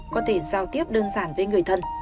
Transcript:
có thể giao tiếp đơn giản với người thân